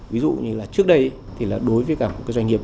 ví dụ như là trước đây thì là đối với cả một cái doanh nghiệp